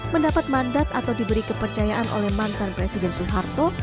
mendapat mandat atau diberi kepercayaan oleh mantan presiden soeharto